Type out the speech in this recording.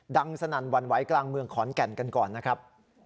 สนั่นหวั่นไหวกลางเมืองขอนแก่นกันก่อนนะครับ